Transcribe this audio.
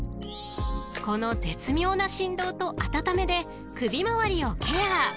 ［この絶妙な振動と温めで首回りをケア］